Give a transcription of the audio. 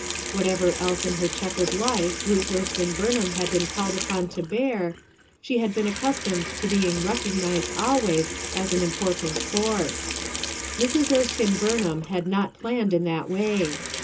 Whatever else in her checkered life Ruth Erskine Burnliam had been called upon to bear, she had been accustomed to being recognized always as an important force. Mrs. Erskine Buraham had not planned in that way.